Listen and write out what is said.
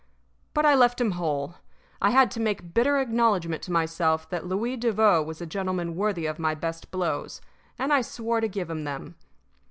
But I left him whole I had to make bitter acknowledgment to myself that Louis Devoe was a gentleman worthy of my best blows; and I swore to give him them.